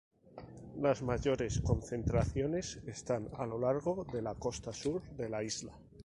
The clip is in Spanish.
Las mayores concentraciones están a lo largo de la costa sur de la isla.